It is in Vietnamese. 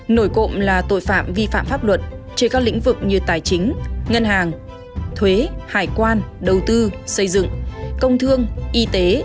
nổi cộng là tội phạm vi phạm pháp luật trên các lĩnh vực như tài chính ngân hàng thuế hải quan đầu tư xây dựng công thương y tế